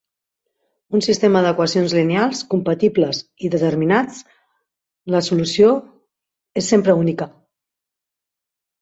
Un sistema d'equacions lineals compatibles i determinats la solució és sempre única.